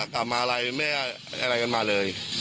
กลับมาอะไรแม่อะไรกันมาเลย